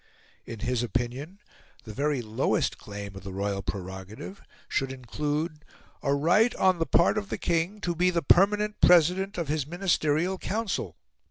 In his opinion, the very lowest claim of the Royal Prerogative should include "a right on the part of the King to be the permanent President of his Ministerial Council."